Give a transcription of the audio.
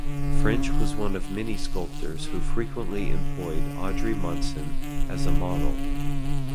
French was one of many sculptors who frequently employed Audrey Munson as a model.